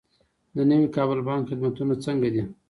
د نوي کابل بانک خدمتونه څنګه دي؟